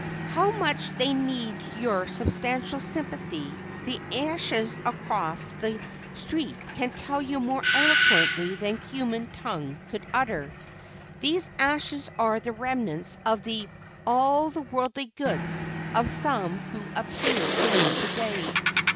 How much they need your substantial sympathy, the ashes across the street can tell you more eloquently than human tongue could utter. Those ashes are the remnants of "all the worldly goods" of some who appeal to you to day.